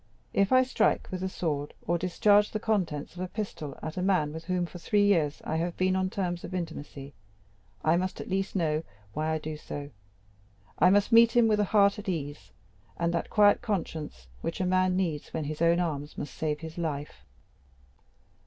If I strike with the sword, or discharge the contents of a pistol at man with whom, for three years, I have been on terms of intimacy, I must, at least, know why I do so; I must meet him with a heart at ease, and that quiet conscience which a man needs when his own arm must save his life."